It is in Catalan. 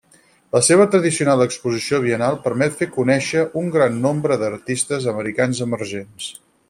La seva tradicional exposició biennal permet fer conèixer un gran nombre d'artistes americans emergents.